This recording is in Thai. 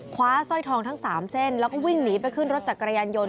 สร้อยทองทั้ง๓เส้นแล้วก็วิ่งหนีไปขึ้นรถจักรยานยนต